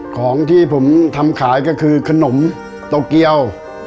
ของที่ผมทำขายก็คือขนมโตเกียว